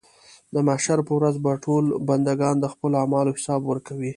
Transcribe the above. د محشر په ورځ به ټول بندګان د خپلو اعمالو حساب ورکوي.